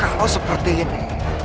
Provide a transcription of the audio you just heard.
kalau seperti ini